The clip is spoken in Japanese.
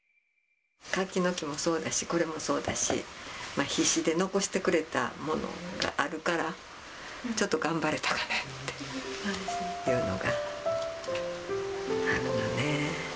柿の木もそうだし、これもそうだし、必死で残してくれたものがあるから、ちょっと頑張れたかなっていうのがあるので。